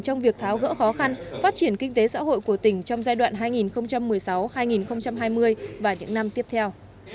trong việc tháo gỡ khó khăn phát triển kinh tế xã hội của tỉnh trong giai đoạn hai nghìn một mươi sáu hai nghìn hai mươi và những năm tiếp theo